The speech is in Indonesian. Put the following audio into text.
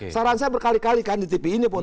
saran saya berkali kali kan di tv ini pun